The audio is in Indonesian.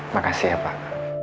makasih ya pak